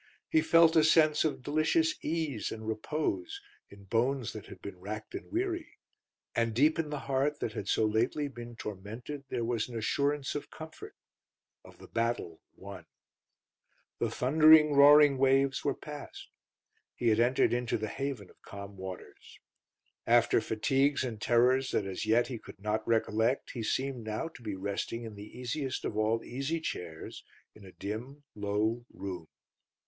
He felt a sense of delicious ease and repose in bones that had been racked and weary, and deep in the heart that had so lately been tormented there was an assurance of comfort of the battle won. The thundering, roaring waves were passed; he had entered into the haven of calm waters. After fatigues and terrors that as yet he could not recollect he seemed now to be resting in the easiest of all easy chairs in a dim, low room.